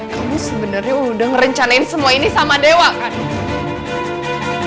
kamu sebenarnya udah ngerencanain semua ini sama dewa kan